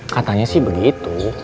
katanya sih begitu